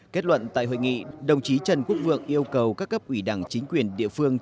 kết luận tại hội nghị đồng chí trần quốc vượng yêu cầu các cấp ủy đảng chính quyền địa phương